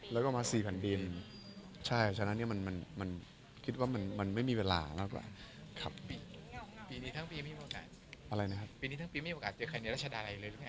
แล้วก็มา๔ผ่านดินใช่ฉะนั้นคิดว่ามันไม่มีเวลามากกว่า